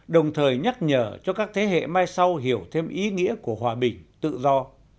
đồng thời nhắc nhở cho các thế hệ mai sau hiểu thêm ý nghĩa của hòa bình tự do